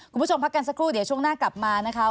คุณผู้ชมพักกันสักครู่เดี๋ยวช่วงหน้ากลับมานะคะ